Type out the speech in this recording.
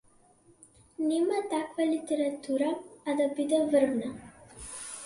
Нема таква литература, а да биде врвна.